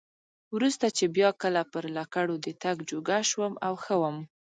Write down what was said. وروسته چې بیا کله پر لکړو د تګ جوګه شوم او ښه وم.